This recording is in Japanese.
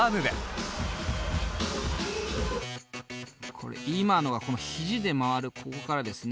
これ今のは肘で回るここからですね